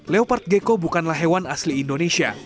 leopard gecko bukanlah hewan asli indonesia